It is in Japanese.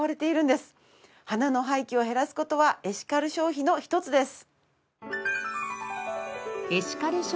花の廃棄を減らす事はエシカル消費の一つです。